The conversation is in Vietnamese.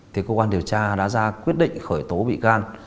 thì cơ quan điều tra đã ra quyết định khởi tố bị can